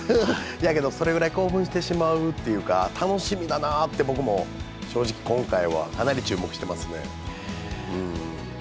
やけどそれだけ興奮してしまうというか楽しみだなって僕も正直今回はかなり注目してますね。